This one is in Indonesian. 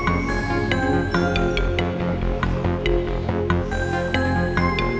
aku mau ke sana